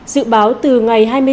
dự báo từ ngày hai mươi sáu